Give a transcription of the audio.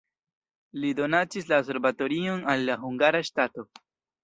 Li donacis la observatorion al la hungara ŝtato.